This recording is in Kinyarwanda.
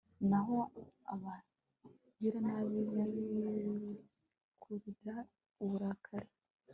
naho abagiranabi bikururira uburakari